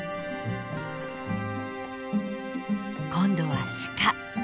今度は鹿。